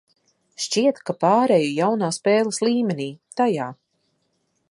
Šķiet, ka pāreju jaunā spēles līmenī, tajā.